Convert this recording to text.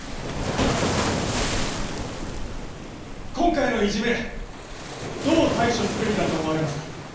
今回のいじめどう対処すべきだと思われますか？